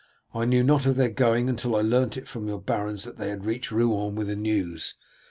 "I knew not of their going until I learnt from your barons that they had reached Rouen with the news.